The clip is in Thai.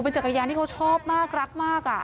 จักรยานที่เขาชอบมากรักมาก